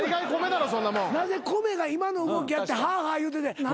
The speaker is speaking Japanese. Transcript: なぜ米が今の動きやってはあはあ言うてて何でええねん。